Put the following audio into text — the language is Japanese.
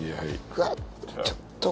うわっ